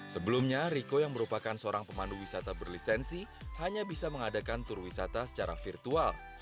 sebelumnya riko yang merupakan seorang pemandu wisata berlisensi hanya bisa mengadakan tur wisata secara virtual